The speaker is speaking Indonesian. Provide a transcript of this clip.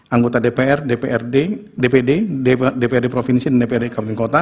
anggota dpr dprd dpd dprd provinsi dan dprd kabupaten kota